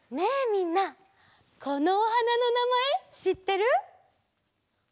みんなこのおはなのなまえしってる？